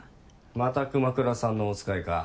また熊倉さんのお使いか？